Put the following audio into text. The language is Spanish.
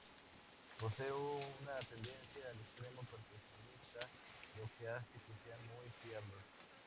Posee una tendencia al extremo perfeccionista lo que hace que sean muy fiables.